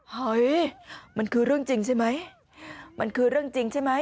เฮ้ยมันคือเรื่องจริงใช่ไหมมันคือเรื่องจริงใช่ไหม